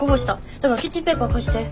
だからキッチンペーパー貸して。